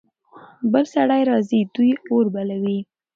بل سړی راځي. دوی اور بلوي.